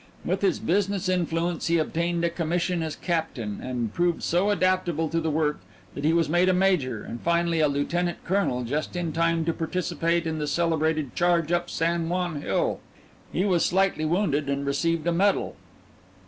With his business influence he obtained a commission as captain, and proved so adaptable to the work that he was made a major, and finally a lieutenant colonel just in time to participate in the celebrated charge up San Juan Hill. He was slightly wounded, and received a medal.